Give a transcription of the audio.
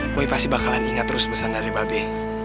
mba be pasti bakalan ingat terus pesan dari mba be